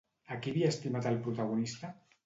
A qui havia estimat el protagonista?